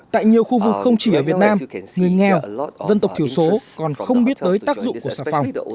tại nhiều khu vực không chỉ ở việt nam người nghèo dân tộc thiểu số còn không biết tới tác dụng của xà phòng